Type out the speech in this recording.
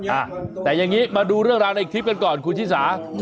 อ่ะแต่อย่างนี้มาดูเรื่องราวในคลิปกันก่อนคุณชิสา